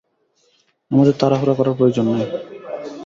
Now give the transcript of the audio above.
আমাদের তাড়াহুড়ো করার প্রয়োজন নেই।